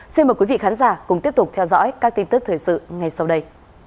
xin mời quý vị khán giả cùng tiếp tục theo dõi các tin tức thời sự ngay sau đây